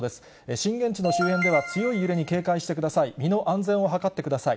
震源地の周辺では強い揺れに警戒してください。